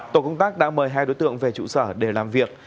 tổ công tác đã mời hai đối tượng về trụ sở để làm việc